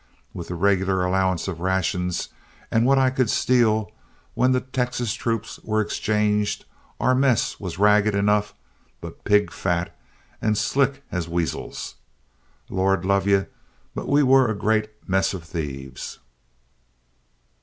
With the regular allowance of rations and what I could steal, when the Texas troops were exchanged, our mess was ragged enough, but pig fat, and slick as weasels. Lord love you, but we were a great mess of thieves."